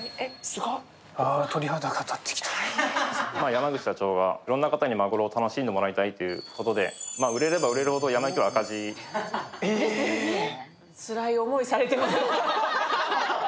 山口社長がいろんな方にまぐろを楽しんでもらいたいことで売れれば売れるほどやま幸は赤字つらい思い、されてませんか？